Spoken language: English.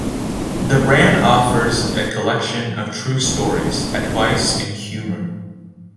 The brand offers a collection of true stories, advice, and humor.